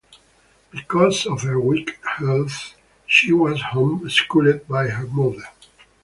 Because of her weak health, she was home-schooled by her mother.